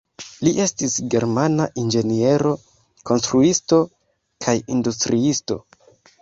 Li estis germana inĝeniero, konstruisto kaj industriisto.